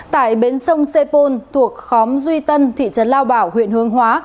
tại bến sông sê pôn thuộc khóm duy tân thị trấn lao bảo huyện hương hóa